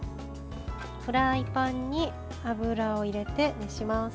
フライパンに油を入れて熱します。